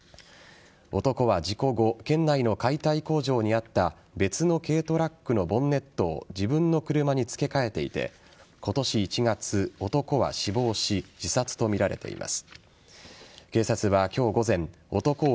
男は事故後県内の解体工場にあった別の軽トラックのボンネットを自分の車に付け替えていて今年１月、男は死亡し自殺とみられています。